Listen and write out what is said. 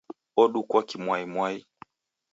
Odukwa kimwaimwai!